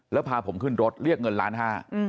แล้วพาผมขึ้นรถเรียกเงินล้านห้า